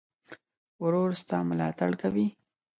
ورور ستا ملاتړ کوي.